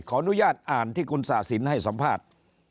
ขออนุญาตอ่านที่คุณศาสินให้สัมภาษณ์